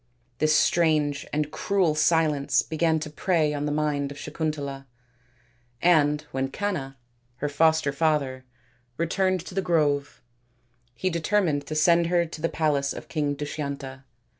This strange and cruel silence began to prey upon the mind of Sakun tala, and when Canna, her foster father, returned to the grove, he determined to send her to the palace of King Dushyanta.